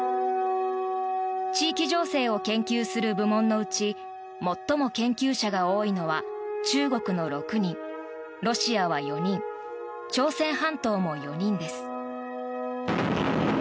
地域情勢を研究する部門のうち最も研究者が多いのは中国の６人ロシアは４人朝鮮半島も４人です。